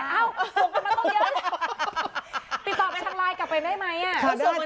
อ้าวส่งกันมาตรงนี้ติดต่อกลับชั้นไลน์กลับไปได้ไหมอะ